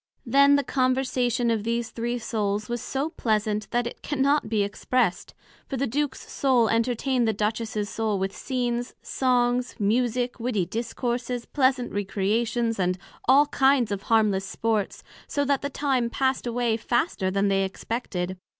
Then the Conversation of these three souls was so pleasant, that it cannot be expressed; for the Duke's Soul entertained the Empress's Soul with Scenes, songs, Musick, witty Discourses, pleasant Recreations, and all kinds of harmless sports, so that the time passed away faster than they expected.